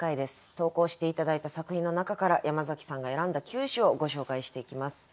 投稿して頂いた作品の中から山崎さんが選んだ９首をご紹介していきます。